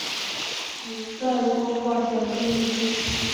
有再多话想跟说